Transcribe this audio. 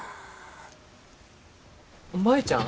舞ちゃん。